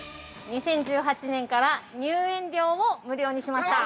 ◆２０１８年から、入園料を無料にしました。